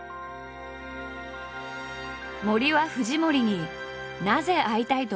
森は藤森になぜ会いたいと思ったのか。